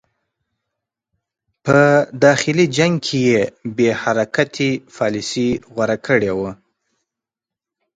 په داخلي جنګ کې یې بې حرکتي پالیسي غوره کړې وه.